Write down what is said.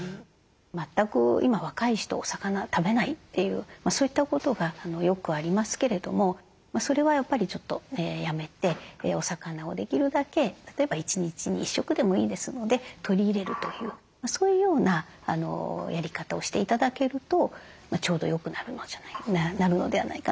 全く今若い人お魚食べないというそういったことがよくありますけれどもそれはやっぱりちょっとやめてお魚をできるだけ例えば１日に１食でもいいですので取り入れるというそういうようなやり方をして頂けるとちょうどよくなるのではないかなというふうに思います。